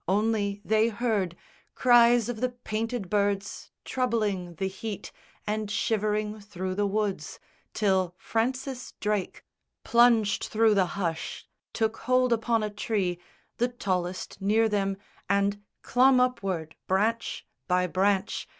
Only they heard Cries of the painted birds troubling the heat And shivering through the woods; till Francis Drake Plunged through the hush, took hold upon a tree, The tallest near them, and clomb upward, branch By branch.